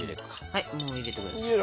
はいもう入れてください。